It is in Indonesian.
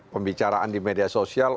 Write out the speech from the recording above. pembicaraan di media sosial